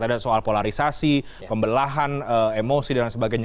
ada soal polarisasi pembelahan emosi dan sebagainya